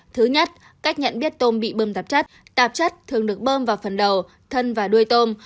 thứ nhất cách nhận biết tôm bị bơm tạp chất tạp chất thường được bơm vào phần đầu thân và đuôi tôm